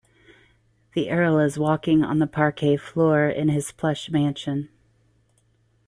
The earl is walking on the parquet floor in his plush mansion.